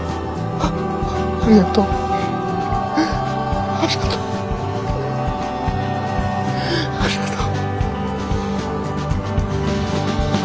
ありがとう。